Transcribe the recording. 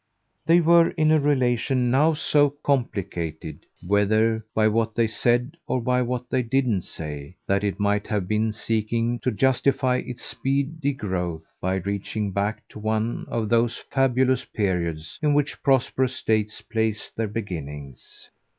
They were in a relation now so complicated, whether by what they said or by what they didn't say, that it might have been seeking to justify its speedy growth by reaching back to one of those fabulous periods in which prosperous states place their beginnings.